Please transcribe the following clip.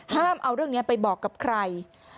ห้ามเอาเรื่องนี้ไปบอกกับใคร